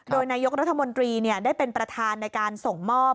โดยนายกรัฐมนตรีได้เป็นประธานในการส่งมอบ